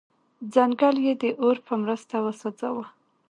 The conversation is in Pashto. ځنګل یې د اور په مرسته وسوځاوه.